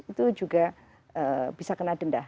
itu juga bisa kena denda